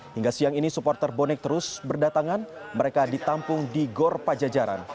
hingga siang ini supporter bonek terus berdatangan mereka ditampung di gor pajajaran